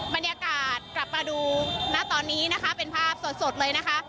บรรยากาศกลับมาดูณตอนนี้นะคะเป็นภาพสดเลยนะคะ